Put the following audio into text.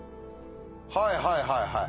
はいはいはいはい。